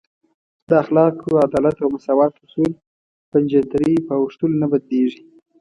د اخلاقو، عدالت او مساوات اصول په جنترۍ په اوښتلو نه بدلیږي.